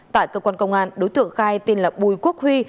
tại cơ quan công an đối tượng khai tên là bùi quốc huy